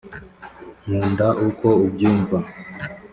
nkunda uko ubyumva